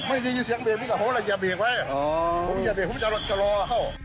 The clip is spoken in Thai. ไม่ได้ยินเสียงเบรกมีกระโฮล่ะอย่าเบรกไว้